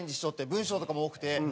文章とかも多くて。